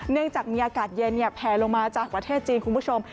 เนื่องจากมีอากาศเย็นแผลลงมาจากประเทศจีนคุณผู้ชม